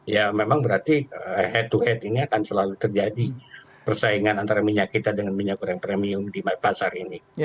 ya memang berarti head to head ini akan selalu terjadi persaingan antara minyak kita dengan minyak goreng premium di pasar ini